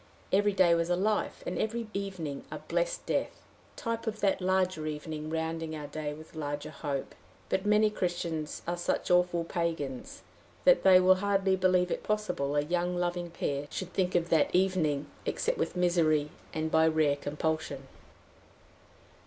Every day was a life, and every evening a blessed death type of that larger evening rounding our day with larger hope. But many Christians are such awful pagans that they will hardly believe it possible a young loving pair should think of that evening, except with misery and by rare compulsion!